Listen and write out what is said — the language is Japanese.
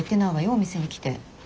お店に来て。